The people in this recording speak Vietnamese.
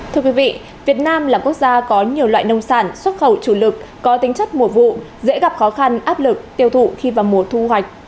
thưa quý vị việt nam là quốc gia có nhiều loại nông sản xuất khẩu chủ lực có tính chất mùa vụ dễ gặp khó khăn áp lực tiêu thụ khi vào mùa thu hoạch